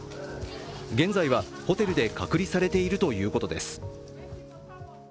現在はホテルで隔離されているということです。